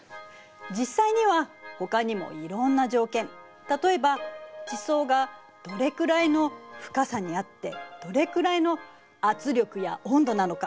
実際にはほかにもいろんな条件例えば地層がどれくらいの深さにあってどれくらいの圧力や温度なのか。